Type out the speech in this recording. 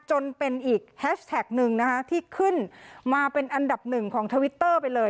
จนเป็นอีกแฮชแท็กหนึ่งนะคะที่ขึ้นมาเป็นอันดับหนึ่งของทวิตเตอร์ไปเลย